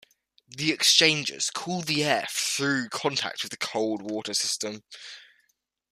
The exchangers cool the air through contact with the cold water system.